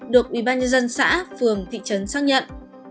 được ubnd xã phường thị trấn xác nhận